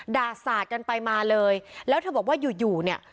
สาดกันไปมาเลยแล้วเธอบอกว่าอยู่อยู่เนี่ย